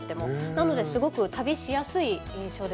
なのですごく旅しやすい印象ですね。